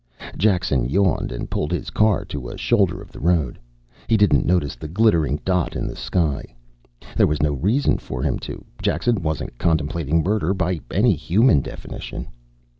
Jackson yawned and pulled his car to a shoulder of the road. He didn't notice the glittering dot in the sky. There was no reason for him to. Jackson wasn't contemplating murder, by any human definition.